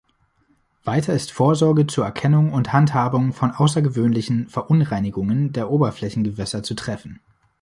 Weiter ist Vorsorge zur Erkennung und Handhabung von außergewöhnlichen Verunreinigungen der Oberflächengewässer zu treffen.